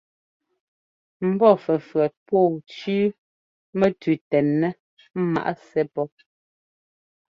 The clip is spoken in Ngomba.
Mbɔ́ fʉ́fʉ́ét pɔ̌ɔ cʉ́ʉ mɛtʉʉ tɛnɛ́ ŋmǎʼ sɛ́ pɔ́.